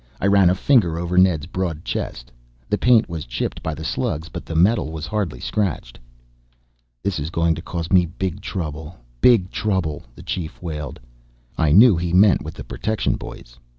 I ran a finger over Ned's broad chest. The paint was chipped by the slugs, but the metal was hardly scratched. "This is going to cause me trouble, big trouble," the Chief wailed. I knew he meant with the protection boys.